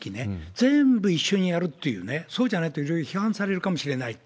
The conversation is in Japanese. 全部一緒にやるっていうね、そうじゃないといろいろ批判されるかもしれないと。